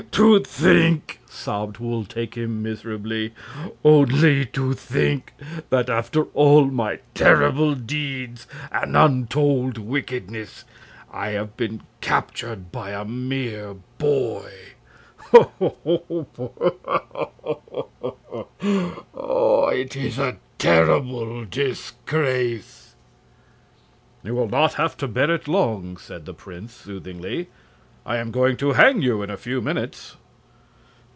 "To think!" sobbed Wul Takim, miserably; "only to think, that after all my terrible deeds and untold wickedness, I have been captured by a mere boy! Oh, boo hoo! boo hoo! boo hoo! It is a terrible disgrace!" "You will not have to bear it long," said the prince, soothingly. "I am going to hang you in a few minutes."